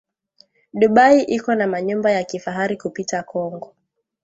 Dubayi iko na manyumba ya kifahari kupita kongo